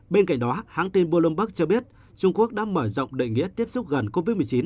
bên cạnh đó hãng tin bloomberg cho biết trung quốc đã mở rộng đội nghĩa tiếp xúc gần covid một mươi chín